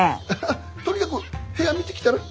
ハハッとにかく部屋見てきたら？